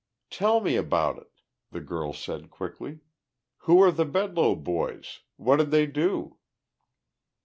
"Tell me about it," the girl said quickly. "Who are the Bedloe boys? What did they do?"